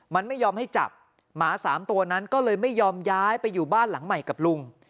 มันไม่ยอมให้จับหมา๓ตัวนั้นก็เลยไม่ยอมย้ายไปอยู่บ้านหลังใหม่กับลุง